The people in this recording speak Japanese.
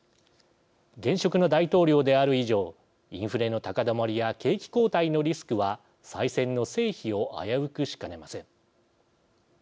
現職の大統領である以上インフレの高止まりや景気後退のリスクは再選の成否を危うくしかねません。